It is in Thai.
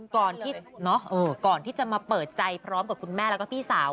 ก่อนที่เนาะเอ่อก่อนที่จะมาเปิดใจพร้อมกับคุณแม่และพี่สาว